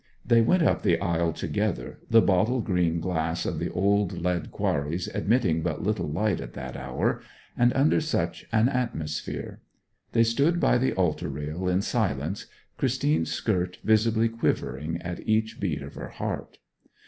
They went up the aisle together, the bottle green glass of the old lead quarries admitting but little light at that hour, and under such an atmosphere. They stood by the altar rail in silence, Christine's skirt visibly quivering at each beat of her heart.